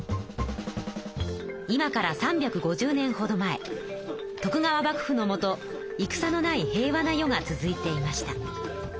今から３５０年ほど前徳川幕府のもといくさのない平和な世が続いていました。